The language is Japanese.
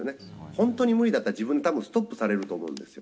本当に無理だったら、自分でたぶんストップされると思うんですよ。